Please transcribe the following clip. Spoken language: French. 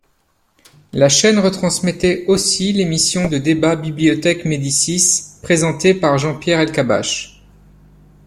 La chaîne retransmettait aussi l'émission de débat Bibliothèque Médicis présentée par Jean-Pierre Elkabbach.